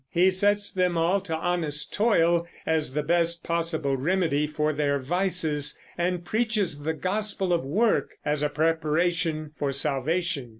He sets them all to honest toil as the best possible remedy for their vices, and preaches the gospel of work as a preparation for salvation.